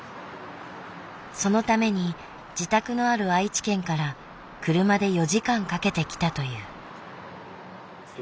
そのために自宅のある愛知県から車で４時間かけて来たという。